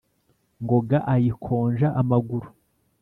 ngoga ayikonja amaguru…